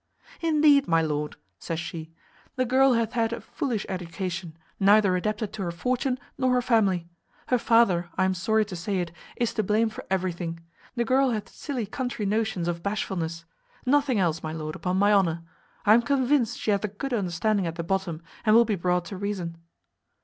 "Indeed, my lord," says she, "the girl hath had a foolish education, neither adapted to her fortune nor her family. Her father, I am sorry to say it, is to blame for everything. The girl hath silly country notions of bashfulness. Nothing else, my lord, upon my honour; I am convinced she hath a good understanding at the bottom, and will be brought to reason."